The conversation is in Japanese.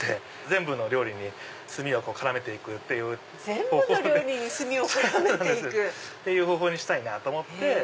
全部の料理に炭を絡めて行く⁉っていう方法にしたいなと思って。